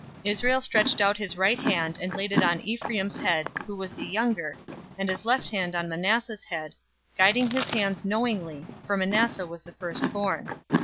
048:014 Israel stretched out his right hand, and laid it on Ephraim's head, who was the younger, and his left hand on Manasseh's head, guiding his hands knowingly, for Manasseh was the firstborn.